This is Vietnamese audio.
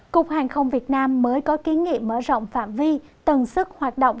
cục hàng không việt nam mới có kinh nghiệm mở rộng phạm vi tầng sức hoạt động